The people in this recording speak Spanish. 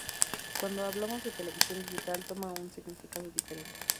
Cuando hablamos de televisión digital toma un significado diferente.